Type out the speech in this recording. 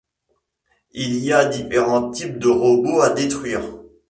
Il y a différents types de robots à détruire.